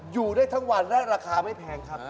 อยู่ได้ทั้งวันและราคาไม่แพงครับ